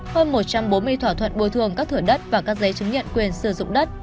hơn một trăm bốn mươi thỏa thuận bồi thường các thửa đất và các giấy chứng nhận quyền sử dụng đất